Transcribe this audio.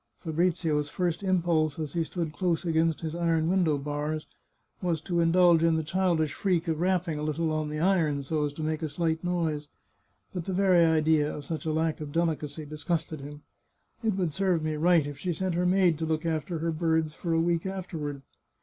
Fabrizio's first impulse, as he stood close against his iron window bars, was to indulge in the childish freak of rapping a little on the iron, so as to make a slight noise. But the very idea of such 332 The Chartreuse of Parma a lack of delicacy disgusted him. " It would serve me right if she sent her maid to look after her birds for a week after ward."